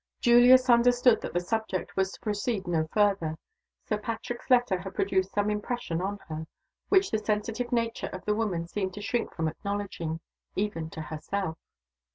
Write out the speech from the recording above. Julius understood that the subject was to proceed no further. Sir Patrick's letter had produced some impression on her, which the sensitive nature of the woman seemed to shrink from acknowledging, even to herself.